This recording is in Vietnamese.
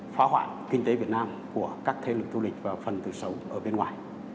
phá hoạn kinh tế việt nam của các thế lực thu lịch và phần tự xấu ở bên ngoài